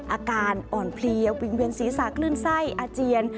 อาการอ่อนเพลียวิ่งเวียนศีรษะคลื่นไส้อาเจียน